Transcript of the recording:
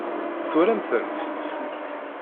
Twalam-tent?